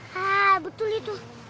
hah betul itu